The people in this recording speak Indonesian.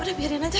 oh udah biarin aja